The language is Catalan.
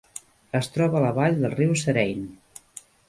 Es troba a la vall del riu Serein.